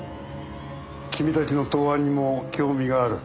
君たちの答案にも興味がある。